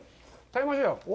食べましょうよ。